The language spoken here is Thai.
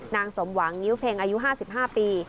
สมหวังงิ้วเพ็งอายุ๕๕ปี